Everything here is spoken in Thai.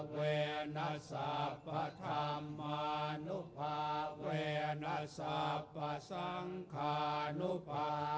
เวนสัพธรรมมนุภาเวนสัพสังขานุภา